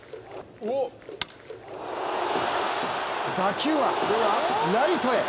打球はライトへ！